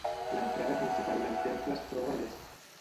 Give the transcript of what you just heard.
L'entrada principal del temple es troba a l'est.